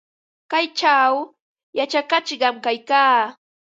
Kaychaw yachakashqam kaykaa.